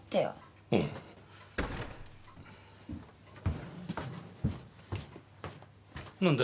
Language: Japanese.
うん。何だい？